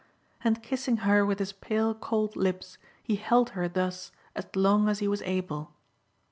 And kissing her with his pale cold lips, he held her thus as long as he was able.